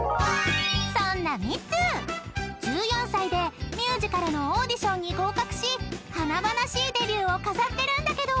［そんなミッツー１４歳でミュージカルのオーディションに合格し華々しいデビューを飾ってるんだけど］